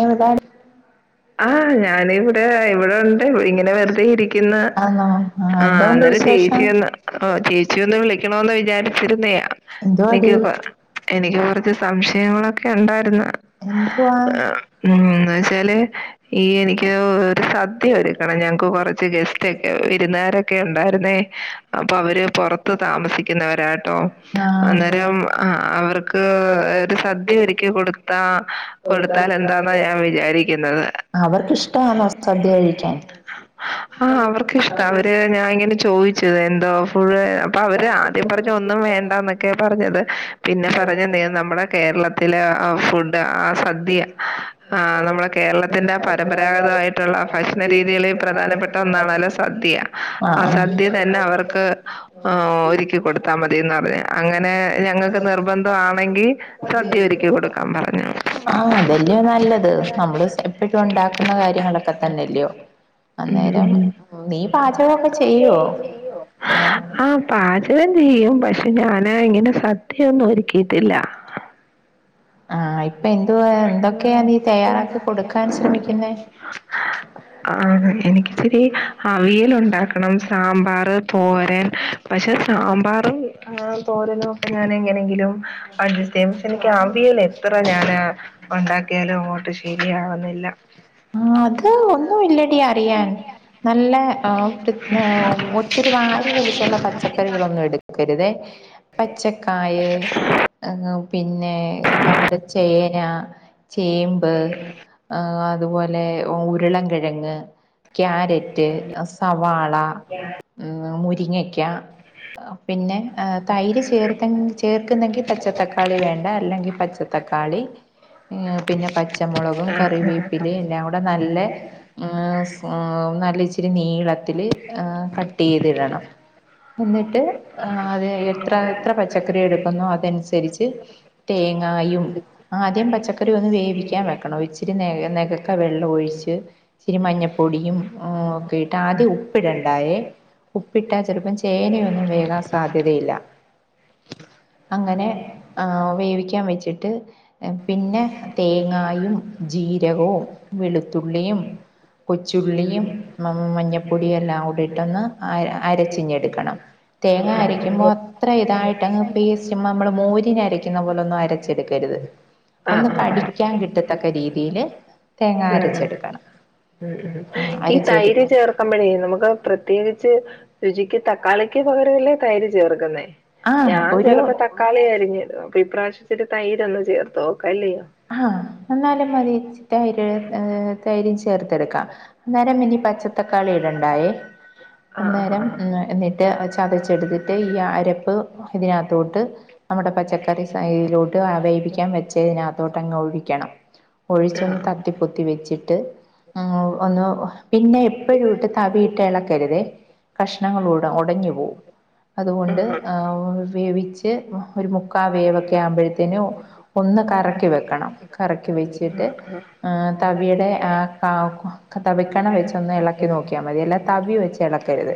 എവിടെ ആഹ് ഞാൻ ഇവിടെ ഇവിടെണ്ട് ഇങ്ങനെ വെറുതെ ഇരിക്ക്ന്ന്. ആന്നോ ആ ആഹ് എന്തോണ്ട് അന്നേരം വിശേഷം ചേച്ചി ഒന്ന് ചേച്ചി ഒന്ന് വിളിക്കണൊന്ന് വിചാരിച്ചിരുന്നയാ. എന്തുവാടി നിക്ക് കൊ എനിക്ക് കൊർച്ച്. ച്ച് സംശയങ്ങളൊക്കെ ഉണ്ടായിരുന്നു. എന്തുവാ ഉം എന്ന് വെച്ചാല് ഈ എനിക്ക്. ഒരു സദ്യ ഒരുക്കണം ഞങ്ങക്ക് കുറച്ച് ഗസ്റ്റ് ഒക്കെ വിരുന്നുകാരൊക്കെ ഉണ്ടായിരുന്നേ. അപ്പൊ അവര് പുറത്ത് താമസിക്കുന്നവരാട്ടോ ആഹ് അന്നേരം ആഹ് ആഹ് അവർ ക്ക് ഒരു സദ്യ ഒരുക്കി കൊടുത്താ കൊടുത്താൽ എൻ ന്താന്ന ഞാൻ വിജാരിക്കുന്നത്. അവർക്കിഷ്ടാന്നോ സദ്യ കഴിക്കാൻ. ആഹ് അവർക്ക് ഇഷ്ടം അവര് ഞാന് ഇങ്ങനെ ചോദിച്ചത് എന്തോ ഫുൾ അപ്പൊ അവര് ആദ്യം പറഞ്ഞ ഒന്നും വേണ്ടന്നൊക്കെ. ഒക്കെ പറഞ്ഞത് പിന്നെ പറഞ് നീ നമ്മുടെ കേരളത്തിലെ ഏഹ് ഫുഡ് ആഹ് സദ്യ. ആഹ് നമ്മള കേരളത്തിന്റെ പരമ്പരാഗതായിട്ട്. ഭക്ഷണ രീതികളി പ്രധാനപ്പെട്ട ഒന്നാണല്ലോ സദ്യ ആഹ് സദ്യ തന്നെ അവർക്ക്. ആഹ് ഒരുക്കി കൊടുത്താ മതിന്ന് പറഞ്ഞ് അങ്ങനെ ഞങ്ങക്ക് നിർബന്ധം ആണെങ്കി. സദ്യ ഒരുക്കി കൊടുക്കാൻ പറഞ്ഞു. ഇതെല്ല്യൊ നല്ലത് നമ്മൾ സ് എപ്പഴു ഉണ്ടാക്കുന്ന കാര്യങ്ങളൊക്കെ. തന്നല്ല്യൊ ഉം അന്നേരം ഉം. നീ പാചകൊക്കെ ചെയ്യുവോ? അത്. പാജകം ചെയ്യും പക്ഷെ ഞാൻ ഇങ്ങനെ സദ്യയൊന്നും ഒരുക്കിയിട്ടില്ല. ആഹ് ഇപ്പൊ എന്തുവാ എന്തൊക്കെയാ നീ തയ്യാറാക്കി കൊടുക്കാൻ ശ്രമിക്കുന്നെ? ആഹ് എനിക്ക് ഇച്ചിരി അവിയൽ ഉണ്ടാക്കണം സാമ്പാർ, തോരൻ പക്ഷെ സാമ്പാറും ഏഹ് തോരനൊക്കെ. ഞാനെ എങ്ങനെയെങ്കിലും അഡ്ജസ്റ്റ് ചെയ്യും പക്ഷെ എനിക്ക് അവിയല് എത്ര ഞാന് ഒണ്ടാക്കിയാലും അങ്ങോട്ട് ശരിയാവുന്നില്ല ആഹ് അത് ഒന്നും ഇല്ലടി അറിയാൻ നല്ല ഒത്തിരി വാരി വലിച്ചുള്ള പച്ചക്കറികളൊന്നും എടുക്കരുതെ പച്ചക്കായ് പിന്നെ നമ്മുടെ ചേന ചേമ്പ് അതുപോലെ ഉരുളൻ കിഴങ്ങ് ക്യാരറ്റ് ഏഹ് സവാള, ഹ്മ് മുരിങ്ങക്ക പിന്നെ തൈര് ചേർ ചേർക്കുന്നെങ്കിൽ പച്ചത്തക്കാളി വേണ്ട അല്ലെങ്കിൽ പച്ച തക്കാളി പിന്നെ പച്ചമുളകും കറിവേപ്പിലയും എല്ലാം കൂടെ നല്ലെ ഉം നല്ല ഇച്ചിരി നീളത്തില് കട്ട് ചെയ്തിടണം എന്നിട്ട് അത് എത്ര എത്ര പച്ചക്കറി എടുക്കുന്നോ അത അനുസരിച്ച് തേങ്ങായും ആദ്യം പച്ചക്കറി ഒന്ന് വേവിക്കാൻ വെക്കണം ഇച്ചിരി നെകക്ക വെളളം ഒഴിച്ച് ഇിച്ചിരി മഞ്ഞപ്പൊടിയും ആഹ് പിന്നെ ആദ്യം ഉപ്പിടണ്ടായേ ഉപ്പിട്ടാ ചെലപ്പം ചേനയൊന്നും വേകാൻ സാധ്യതയില്ല അങ്ങനെ വേവിക്കാൻ വെച്ചിട്ട് എ പിന്നെ തേങ്ങായും ജീരകവും വെളുത്തുള്ളിയും കൊച്ചുള്ളിയും മഞ മഞ്ഞപ്പൊടി എല്ലാം കൂടിയിട്ടൊന്ന് അ അരച്ചിങ്ങെടുക്കണം തേങ്ങ അരക്കുമ്പോൾ അത്ര ഇതായിട്ടങ്ങ് പേസ്റ്റ് നമ്മൾ മോരിനരക്കുന്ന പോലെ ഒന്നും അരച്ചെടുക്കരുത് [inaudible] ഒന്ന് ആഹ് ആഹ് കടിക്കാൻ കിട്ടത്തക്ക രീതിയില് തേങ്ങാ ഉം അരച്ചെടുക്കണം ഉം ഉം ഈ തൈര് അരച്ചെടുത്ത് ചേർ ക്കമ്പഴെ നമുക്ക് പ്രത്യേകിച്ച് രുചിക്ക് തക്കാളിക്ക് പകരമല്ലേ തൈര് ചേർക്കുന്നേ ആ ഞാൻ ഒരു ചെലപ്പോ തക്കാളിയരിഞ്ഞിടും അപ്പൊ ഇപ്രാവശ്യത്തിന് തൈര് ഒന്നു ചേർത്ത് നോക്കാല്ലെ ആഹ എന്നാലും മതി തൈര് തൈര് ചേർത്ത് ത്തെടുക്കാം അന്നേരം ഇനി പച്ചത്തക്കാളി ഇടണ്ടായേ ആഹ് അന്നേരം എന്നിട്ട് ചതച്ചെടുത്തിട്ട് ഈ അരപ്പ് ഇതിനാത്തോട്ട് നമ്മടെ പച്ചക്കറി സയിലോട്ട് വേവിക്കാൻ വെച്ചതിന നകത്തോട്ട് അങ്ങ് ഒഴിക്കണം ഒഴിച്ചൊന്ന് ആഹ് കത്തി ത്തി വെച്ചിട്ട് ഉം ഒന്ന് പിന്നെ എപ്പോഴും ഇട്ട് തവിയിട്ട് എളക്കരുതേ കഷ്ണങ്ങളോട് ഉട ഒടഞ്ഞു പോവും അതുകൊണ്ട് ആഹ് വേവിച്ച് ഒരു മുക്കാ വേവൊക്കെ ആവുമ്പോഴത്തേനും ഒന്ന് കറക്കി വെക്കണം കറക്കി വെച്ചിട്ട് തവിയുടെ തവിക്കണ വെച്ചൊന്ന് എളക്കി നോക്കിയാൽ മതി അല്ല തവി വെച്ച് എള ക്കരുത്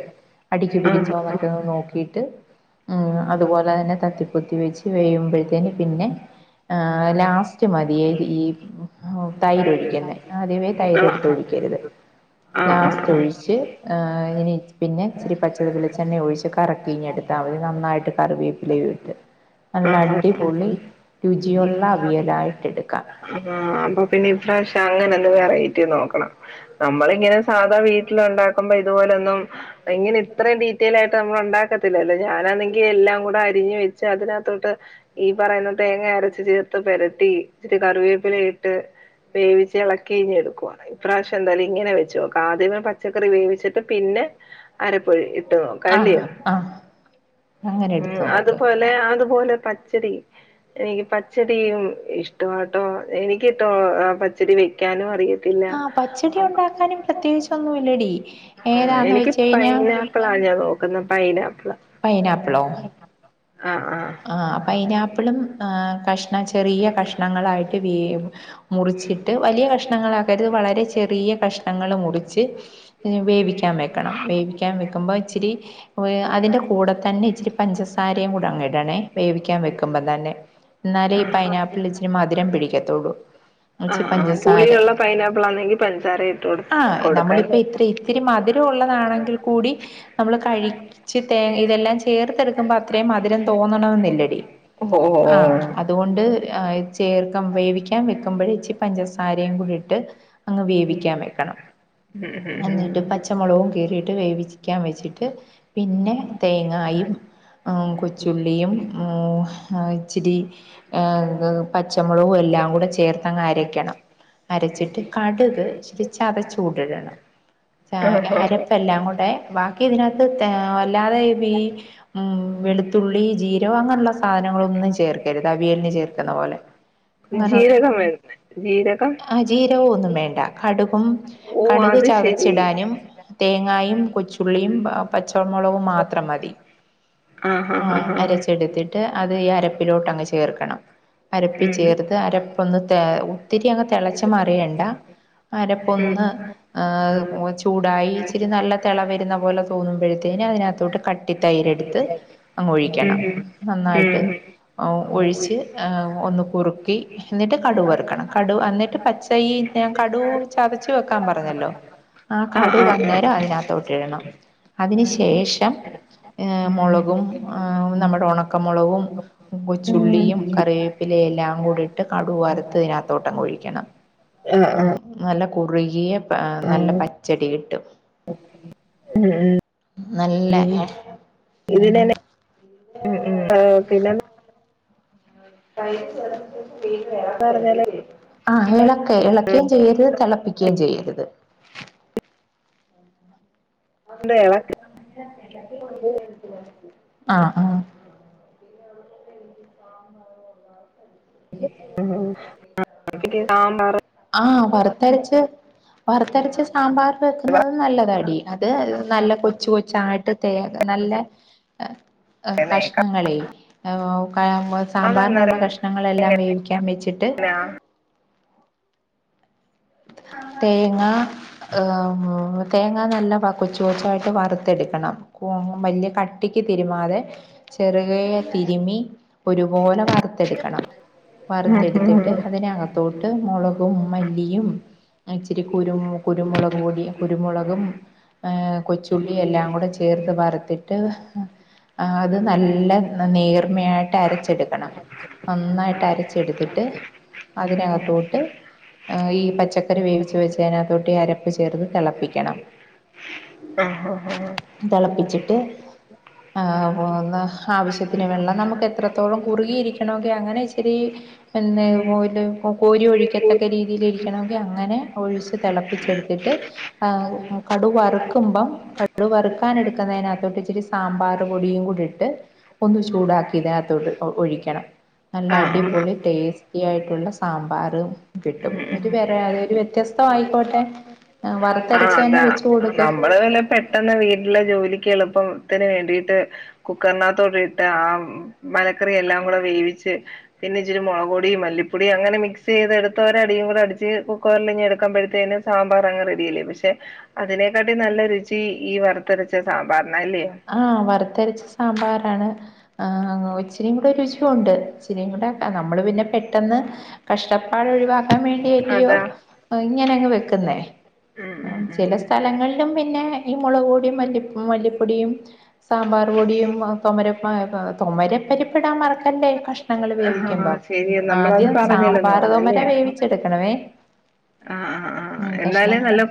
അടിക്കു ആഹ് ആഹ് ആഹ് ആഹ് പിടിച്ചോ മറ്റൊന്ന് നോക്കിട്ട് അതുപോലെ തന്നെ തത്തിപ്പൊത്തി വെച്ച് കഴിയ്യുമ്പോഴത്തേന് പിന്നെ ലാസ്റ്റ് മതിയേ ഈ തൈരൊഴിക്കന്നേ ആദ്യവേ തൈര് ഒഴിക്കരുത് ആഹ് ലാസ്റ്റ് ഒഴിച്ച് ഇങ്ങനെ പിന്നെ ഇിച്ചിരി പച്ച വെളിച്ചെണ്ണ ഒഴിച്ച് കറക്കിയി ങ്ങെടുക്ക നന്നായിട്ട് കറിവേപ്പിലേ ഇട്ട് നല്ല ആഹ് ആഹ് ആഹ് അടിപൊളി ആഹ് രുചിയൊള്ള അവിയലായിട്ട് എടുക്കാം ഹും ഹും ആ അപ്പ പിന്നെ ഇപ്രാവശ്യം അങ്ങനെ ഒന്ന് വെറൈറ്റി നോക്കണം നമ്മള് ഇങ്ങനെ സാധാ വീട്ടില് ഒണ്ടാക്കുമ്പോ ഇതുപോലൊന്നും ഇങ്ങനെ ഇത്ര ഡീറ്റെയിൽ ആയിട്ട് നമ്മള് ഒണ്ടാക്കത്തില്ലോ ഞാനാണെങ്കിൽ എല്ലാം കൂടേ അരിഞ് പിഞ്ഞി ഓയിച്ച് അതിനാത്തോട്ട് ഈ പറയുന്ന തേങ്ങ അരച്ച് ചേർത്ത് പെരട്ടി ഇച്ചിരി കറിവേപ്പില ഇ ട്ട് വേവിച്ച് എളക്കി ഇങ് എടുക്കുവാണ് ഇപ്രാവശ്യം എന്തായാലും ഇങ്ങനെ വെച്ചു നോക്ക ആദ്യമെ പച്ചക്കറി വേവിച്ചിട്ട് പിന്നെ അരപ്പൊഴി ട്ട് ഓക്കാലെ ആഹ് ആഹ് അങ്ങനെ ഉം എടുത്ത് നോക്ക് അതുപോലെ അതുപോലെ ച്ചടി എനിക്ക് പച്ചടിയും ഇഷ്ടംട്ടോ എനിക്ക് ക്ക് ട്ടോഅ പച്ചരി വെക്കാനും അറിയത് ആഹ പച്ചടി ഉണ്ടാക്കാനും പ്രത്യേകിച്ച ഒന്നുംല്ലടി ഏതാന്ന് വെച്ച് കഴിഞ്ഞാ ഇപ്പളാണ് ഞാൻ നോക്കുന്ന പൈനാപ്പിൾ ആഹ പൈനാപ്പിളോ ആഹഹ ആ പൈനാപ്പിള് ആ കഷ അ ചെറിയ കഷ്ണങ്ങളായിട്ട് മുറിച്ചിട്ട് വലിയ കഷണങ്ങളാക്കരുത് വളരെ ചെറിയകഷ് ണങ്ങള് മുറിച്ച് വേവിക്കാൻ വെക്ക് ക്കണം വേവിക്കാൻ വെക്കുമ്പോ ഇച്ചിരി അതിൻ്റെ കൂടെ തന്നെ ഇച്ചിരി പഞ്ചസാരയും കൂടെ അങ്ങി ടണേ വേവിക്കാൻ വെക്കുമ്പം തന്നെ എന്നാലേ ഈ പൈനാപ്പിൾ ഇച്ചിരി മധുരം പിടിക്കത്തോള്ളൂ ആഹ് ആ പുളിയിലുള്ള പൈനാപ്പിൾ ആണെങ്കിൽ പൻ സാര ഇട്ട് കൊടുക്കാല്ലേ ഇത്തിരി ഇത്തിരി മധുരം ഉള്ളതാണെങ്കിൽ കൂടി നമ്മൾ കഴിച്ച് തേ ഇതെല്ലാം ചേർത്തെടുക്കുമ്പോ ത്രേംയും മധുരം തോന്നണെന്നില്ലടി ഓഹ് ആ ഓഹ് അതുകൊണ്ട് ചേർക്കം വേവിക്കാൻ വെക്കുമ്പോഴ ഇച്ചി പഞ്ചസാരയും കൂടി ഇട്ട് അങ്ങ് വേവിക്കാൻ വെക്കണം ഉം ഉം എന്നിട്ട് ഉം പച്ചമുളകും കീറിയിട്ട് വേവിക്കാൻ വെച്ചിട്ട് പിന്നെ തേങ്ങായും - പുളിയും ആഹ് ഇച്ചരി- ആഹ് പച്ചമൊളകും എല്ലാം കൂടെ ചേർത്തങ്ങരയ്ക്കണം അരച്ചിട്ട് കടുക് ഇച്ചിരി ചതച്ചൂടിടണം ആഹ് അരപ്പ് - എല്ലാം കൂടെ ബാക്കി ഇതിനകത്ത് ആഹ് അല്ലാതെ ഈ വെളുത്തു ളുത്തുള്ളി ജീരകം അങ്ങനൊള്ള സാധനങ്ങളൊന്നും ചേർക്കരുത് അവിയലിന് ചേർക്കുന്ന പോലെ- അങ്ങനെ ജീരകം വേണ്ടേ- ജീരകം ജീരകം ഒന്നും വേണ്ട കടുകും ഓഹ് കടുക് അത് ശരി ചതച്ചിടാനും തേങ്ങായും കൊച്ചുള്ളിയും പച്ചമൊളകും മാത്രം മതി- ആഹ് അരച്ചെടുത്തിട്ട് അത് ഈ അരപ്പിലോട്ട് ചേർക്കണം അരപ്പി ഉം ചേർത്ത് അരപ്പൊന്ന് തെ- ഒത്തിരി അങ്ങ് തെളച്ച്മാറിയണ്ട അരപ്പൊന്ന്- ഉം ആഹ് ചൂടായി ഇച്ചിരി നല്ല തെളവെരുന്ന പോലെ തോന്നുമ്പഴ്ത്തേന് അതിനകത്തോട്ട് ക കട്ടി തൈര് എടുത്ത് അങ്ങ് ഒഴിക്കണം ഉം നന്നായിട്ട് ഉം ഒഴിച്ച് ഒന്ന് കുറുക്കി എന്നിട്ട് കടുക് വറ്ക്കണം കടുക് എന്നിട്ട് പച്ച ഈ ഞാൻ കടുക് ചതച്ച് വെക്കാൻ പറഞ്ഞല്ലോ ആ ആഹ് കടുക് ആഹ് അന്നേരം ആഹ് അതിനകത്തോട്ട്- ഇടണം അതിന് ശേഷം ആഹ് മൊളകും- ആഹ് നമ്മടെ ഒണക്കമൊളവും- കൊച്ചുള്ളിയും കറിവേപ്പിലയും എല്ലാം കൂട് ഇട്ട് കടുക് വരത്ത്തിനകത്തോട്ടംങ്ങ് ഒഴിക്കണം ആഹ് ആഹ് നല്ല കുറുകിയെ- ആഹ് നല്ല പച്ചടി കിട്ടും ഉം ഉം നല്ല ഏഹ് - ഇതിനനെ- [unintelligible] പിന്നെ പറഞ്ഞാല് എളക്കരുതില്ലിയോ ആഹ് എളക്ക് ഇളക്ക്യും ചെയ്യരുത് തെളപ്പിക്കുകയും ചെയ്യരുത് എളക്ക് ആഹ് ആഹ് [unintelligible] ആഹ് വറുത്തരച്ച് വറ്ത്തരച്ച് സാമ്പാറ് വെക്കുന്നത് നല്ലതാടി അത് നല്ല കൊച്ചു കൊച്ചായിട്ട്- തേ നല്ല - പറയുന്നേക്കാം കഷ്ണങ്ങളെ ആഹ് സാമ്പാറിനൊള്ള അതന്നേരം കഷ്ണ ങ്ങളെല്ലാം വേവിക്കാൻ വെച്ചിട്ട് എങ്ങനെയാ തേങ്ങാ- ആഹ് തേങ്ങ നല്ല കൊച്ചു കൊച്ചായിട്ട് വറുത്തെടുക്കണം വലൃ കട്ടിക്ക് തിരുമാതെ- ചെറുകേ തിരുമി ഒരുപോലെ വർ റുത്തെടുക്കണം വറുത്തെടുത്തിട്ട് അതിനകത്തോട്ട് മൊളകും മല്ലിയും ഇച്ചിരി കുരു കുരുമൊളക് പൊടി കുരുമൊളകും ആഹ് - കൊച്ചുള്ളി എല്ലാം കൂടെ ചേർത്ത് വറുത്തിട്ട് അത് നല്ല- നേർമയായിട്ട് അരച്ചെടുക്കണം നന്നായിട്ട് അരച്ചെടുത്തിട്ട് അതിനകത്തോട്ട് ആഹ് ഈ പച്ച ച്ചക്കറി വേവിച്ച് വെച്ചതിനാത്തോട്ട് ഈ അരപ്പ് ചേർത്ത് തെളപ്പിക്കണം ആഹ് ആഹ് ആഹ് [inaudible] ആഹ് അന്ന് ആവശ്യത്തിന് വെള്ളം നമുക്ക് എത്രത്തോളം കുറുകിയിരിക്കണൊകി അങ്ങനെ ഇച്ചരി പോല് കോരി ഒഴിക്കത്തക്കരീതിയിലിരിക്കണം അങ്ങനെ ഒഴിച്ച് തെളപ്പിച്ചെടുത്തിട്ട് ആഹ് കടു വറുക്കുമ്പം കടു വറുക്കാൻ എടുക്കുന്നതിനകത്തോട്ട് ഇച്ചിരി സാമ്പാറ് പൊടിയും കു ടിട്ട് ഒന്ന് ചൂടാക്കി ഇതിനകത്തോട്ട് ഒഴിക്കണം നല്ല ആഹ് ആഹ് അടിപൊളി ടേസ്റ്റി ആയിട്ടുള്ള സാമ്പാറ് കിട്ടും ഉം ഒരു ഉം വേറെ അതെ ഒരു വ്യത്യസ്ത ആയിക്കോട്ടെ ആ ആ വറത്തരച്ച അതാ നമ്മള് പെട്ടെന്ന് വീട്ടിലെ ജോലിക്ക് എളുപ്പത്തിന് വേണ്ടിട്ട് കുക്കറിനകത്തൊഴട്ട് ആ മലക്കറി എല്ലാം കൂടെ വേവിച്ച് പിന്നെ ഇച്ചരിള പൊടി മല്ലിപ്പൊടി അങ്ങന മക്സ് ചെയ്ത എടുത്ത ഒരടും കൂടെടിച്ച് കുക്കവറിൽ ഇെ എടുക്കുമ്പോഴത്തേനും സാമ്പാർ അങ്ങ് റെഡി അല്ലേ പക്ഷെ അതിനെക്കാട്ടി നല്ല രുചി ഈ വറുത്തരച്ച സാമ്പാറിന അല്ലയോ ആഹ വറുത്തരിച്ച സാമ്പാറാണ് ഒച്ചരിയും കൂടെ രുചിയുംുണ്ട് ഇച്ചരിയും കൂടെ നമ്മൾ പിന്നെ പെട്ടെന്ന് കഷ്ടപ്പാട് ഒഴിവാക്കാൻ വേണ്ടിയല്ലയോ അതാ ഇങ്ങനെ അങ്ങ് വെക്കുന്നേ ഉം ഉം ചില സ്ഥലങ്ങളിലും പിന്നെ ഈ മുളകു പൊടി മല്ലിപ്പടി മല്ലിപ്പ ടിയും സാമ്പാർ ഉം പൊടിയ തര തുമരപ്പരിപ്പെടാൻ മറക്കല്ലേ കക്ഷണങ്ങൾ ആ വേവിക്കുമ്പോ ശരിയ നമ്മളത് ആദ്യം പറഞ്ഞില്ലെന്ന് സാമ്പാർ തോുമര വേവിച്ചെടുക്കണമേ ആ ആ ആ എന്നാല് നല്ല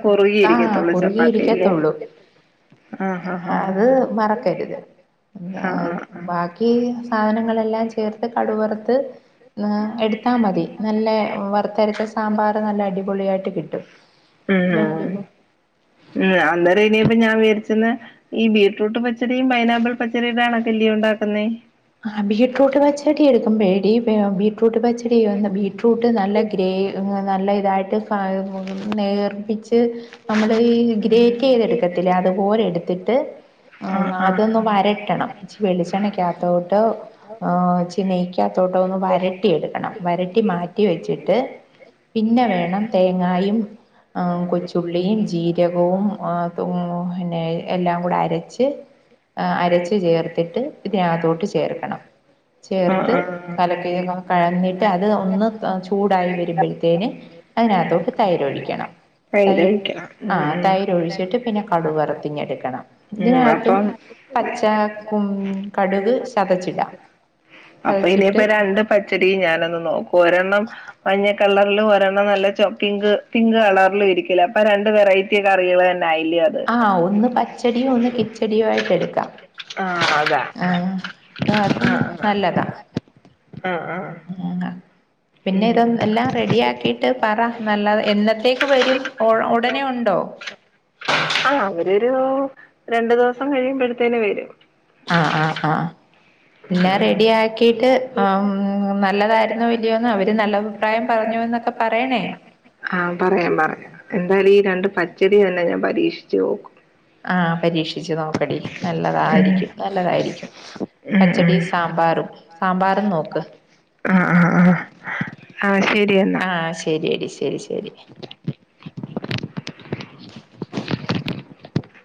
ആ കൊറുകിയിരിക്കും കുറുകിയിരിക്കത്തുള്ളൂ ആഹ് ആഹ് അത് ആഹ് മറക്കരുത് എന്താ ആഹ് ആഹ് ബാക്കി ആഹ് സാധനങ്ങളെല്ലാം ചേർത്ത് കടുകറത്ത് എടുത്താ മതി നല്ല വറുത്തരച്ച സാമ്പാർ നല്ല അടിപൊളിയ ആായിട്ട് കിട്ടും ഉം ഉം ഉം അന്നേര ഇനിപ്പ ഞാൻ വിചാരിച്ചന്ന് ഈ ബീറ്റ്റൂട്ട് പച്ചടിയ പൈനാപ്പിൾ പച്ചറിയുടൊണോ കെല്ലിയ ഉണ്ടാക്കുന്നത് ആ് ബീറ്റ്റൂട്ട് പച്ചടി എടുക്കും പേടി ബീറ്റ്റൂട്ട് പച്ചടി ബ് ബീറ്റ്റ്‌റൂട്ട് നല്ല ഗ്രേ നല്ല ഇതായിട്ട് നേർമ്മിച്ച് നമ്മള് ഈ ഗ്രേറ്റ് ചെയ്തെടുക്കത്തില്ല അത് പോലെ എടുത്തിട്ട് ആ ആഹ് ആഹ് അതൊന്നന്ന് വരട്ടണം ഇച്ചി വെളിച്ചെണ്ണക്കകത്തോട്ട് ചി നെയ്ക്കാത്തോട്ടം ഒന്ന് വരട്ടി എടുക്കണം വരട്ടി മാറ്റി വെച്ചിട്ട് പിന്നെ വേണം തേങ്ങായും കൊച്ചുള്ളിയും ജീരകവും പിന്നെ എല്ലാം കൂടെ അരച്ച് അരച്ചു ചേർത്തിട്ടി ഇതിനകത്തോട്ട് ചേർക്കണം ആഹ് ചേർത് ആഹ് ആഹ് കലക്കൊക്കെ കഴന്നിട്ട് അത് ഒന്ന് ചൂടായി വരുമ്പോഴത്തേന് അതിനകത്തൊക്കെ തൈര് ഒഴിക്കണം തൈർ ആ തൈര ഉം ഒഴിച്ചിട്ട് പിന്നെ കടു വറുത്തിഞ്ഞെടുക്കണം ഉം ഉം ഇതിനകത്തും അപ്പം പച്ച ക കടുക് ചതച്ചിടാം അപ്പൊ ചതച്ചിട്ട് ഇനിയിപ്പ രണ്ട് പച്ചടി ഞാനൊന്ന് നോക്കും ഒരെണ്ണം മഞ്ഞ കളറൽ ഒരെണ്ണം നല്ല പിങ്ക് പിങ്ക് കളറിലും ഇരിക്കല അപ്പൊ രണ്ട് വെറൈറ്റി കറികൾ തന്നെ ആയില്ലേ അ ആഹ ഒന്ന് പച്ചടിയും ഒന്ന് കിച്ചടിയും ആയിട്ട് എടുക്കാം ആഹ് അതാ ആഹ ഇത് ആർക്കും ആഹ് നല്ലതാ ആഹ് ആഹ് ആഹ് മൂങ്ങ പിന്നെ ഉം ഇത് എല്ലാം റെഡിയ ആക്കിയിട്ട് പറ നല്ല എന്നത്തേക്ക് വരും ഉ ഉടനെ ഉണ്ടോ [inaudible] ആഹ് അവരൊരു രണ്ടു ദിവസം കഴിയുമ്പോഴത്തേന് വരും ആഹ ആഹ ആഹ എല്ലാം റെഡി ആക്കിട്ട് ആഹ് നല്ലതായിരുന്നു ഇല്ലയോന്ന് അവര് നല്ല അഭിപ്രായം പറഞ്ഞു എന്നൊക്കെ പറയണേ ആഹ് പറയാം പറയാം എന്തായാലും ഈ രണ്ട് പച്ചടി തന്നെ ഞാൻ പരീക്ഷിച്ചു നോക്കും ആഹ് പരീക്ഷിച്ചു നോക്കടി നല്ലതായിരിക്കും നല്ലതായിരിക്കും ഉം പച്ചടി ഉം സാമ്പാറും സാമ്പാറും നോക്ക് ആഹ് ആഹ് ആഹ് ആഹ് ശരി എന്നാ ആഹ് ശരിയടി ശരി ശരി [inaudible]